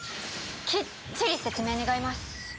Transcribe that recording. きっちり説明願います！